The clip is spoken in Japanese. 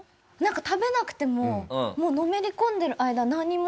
食べなくてももうのめり込んでる間はなんにも。